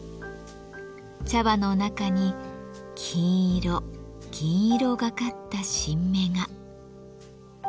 茶葉の中に金色銀色がかった新芽が。